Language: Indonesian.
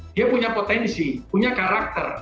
dia punya potensi punya karakter